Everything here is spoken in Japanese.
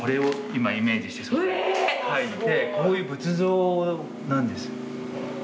こういう仏像なんです。